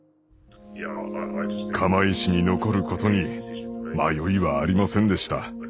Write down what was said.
釜石に残ることに迷いはありませんでした。